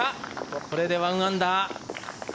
これで１アンダー。